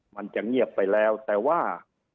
มันจะเงียบไปแล้วแต่ว่า